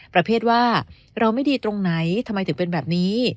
ประเภทว่าเราไม่ดีตรงไหนทำไมถึงเป็นแบบนี้